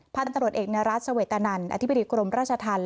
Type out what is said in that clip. พลตำรวจเอกนรัฐเสวตนันอธิบดิกรมราชธรรม